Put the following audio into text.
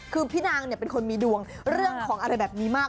คือพี่นางเป็นคนมีดวงเรื่องของอะไรแบบนี้มาก